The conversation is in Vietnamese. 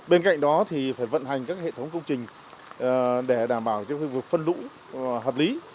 bên cạnh đó thì phải vận hành các hệ thống công trình để đảm bảo cho khu vực phân lũ hợp lý